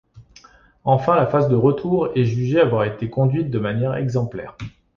Enfin, la phase de retour est jugée avoir été conduite de manière exemplaire.